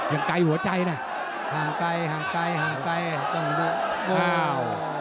ยังไกลหัวใจนะห่างไกลห่างไกลห่างไกลต้องอ้าว